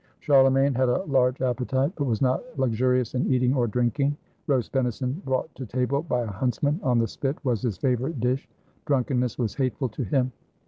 Charlemagne had a large appetite, but was not lux urious in eating or drinking. Roast venison brought to table by a huntsman on the spit was his favorite dish. Drunkenness was hateful to him.